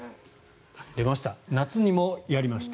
出ました、夏にもやりました。